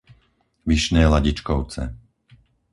Vyšné Ladičkovce